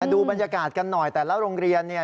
ดูบรรยากาศกันหน่อยแต่ละโรงเรียนเนี่ย